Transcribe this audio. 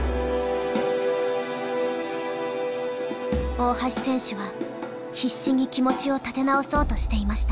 大橋選手は必死に気持ちを立て直そうとしていました。